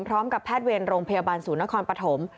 พร้อมกับแพทย์เวรโรงพยาบาลศูนย์นครปฐม